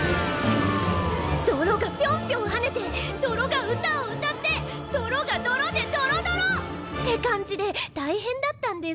泥がピョンピョン跳ねて泥が歌を歌って泥が泥でドロドロ！って感じで大変だったんです。